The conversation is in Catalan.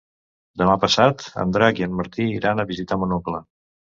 Demà passat en Drac i en Martí iran a visitar mon oncle.